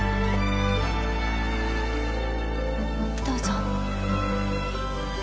どうぞ。